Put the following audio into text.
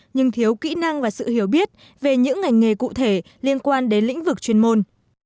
nhưng thiếu kỹ năng và sự hiểu biết về những ngành nghề cụ thể liên quan đến lĩnh vực chuyên môn